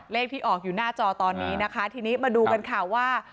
เลขที่ออกอยู่หน้าจอตอนนี้นะคะทีนี้มาดูกันค่ะว่า